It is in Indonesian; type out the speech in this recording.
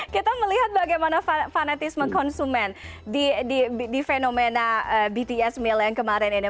kita melihat bagaimana fanatisme konsumen di fenomena bts meal yang kemarin ini